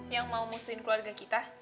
yang mau muslihin keluarga kita